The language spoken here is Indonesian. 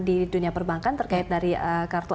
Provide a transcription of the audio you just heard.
di dunia perbankan terkait dari kartu